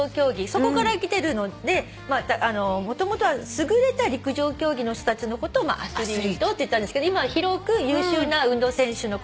そこからきてるのでもともとは優れた陸上競技の人たちのことを「アスリート」って言ってたんですけど今は広く優秀な運動選手のことを「アスリート」と言う。